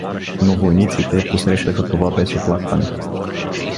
Но войниците посрещаха това без оплакване.